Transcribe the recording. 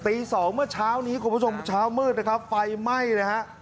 ตีสองเมื่อเช้านี้คุณผู้ชมเช้ามืดนะครับไฟไหม้เลยฮะ